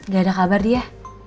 gak ada kabar dia